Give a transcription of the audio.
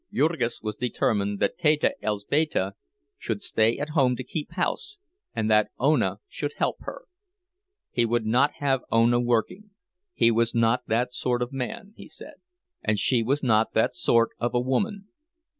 Jurgis was determined that Teta Elzbieta should stay at home to keep house, and that Ona should help her. He would not have Ona working—he was not that sort of a man, he said, and she was not that sort of a woman.